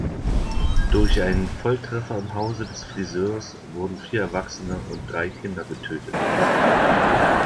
Durch einen Volltreffer im Hause des Friseurs wurden vier Erwachsene und drei Kinder getötet.